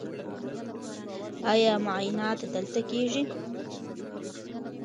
ایا معاینات دلته کیږي؟